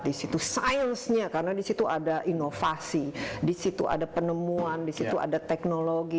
di situ sainsnya karena di situ ada inovasi di situ ada penemuan di situ ada teknologi